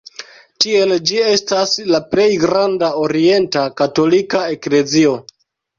Tiel ĝi estas la plej granda orienta katolika eklezio.